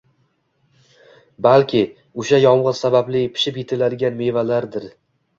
balki, o’sha yomg’ir sababli pishib-etiladigan mevalardir.